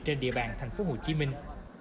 trên địa bàn thành phố hồ chí minh